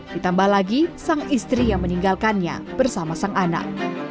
ditambah lagi sang istri yang meninggalkannya bersama sang anak